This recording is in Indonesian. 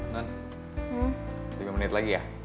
nah tiga menit lagi ya